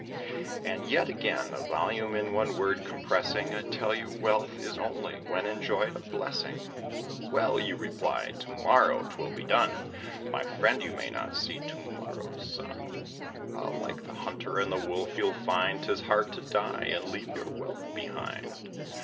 And yet, again, a volume in one word compressing, I tell you, wealth is only, when enjoyed, a blessing. "Well," you reply, "to morrow 'twill be done!" My friend, you may not see to morrow's sun; Ah! like the Hunter and the Wolf, you'll find 'Tis hard to die, and leave your wealth behind.